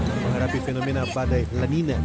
menghadapi fenomena badai lenina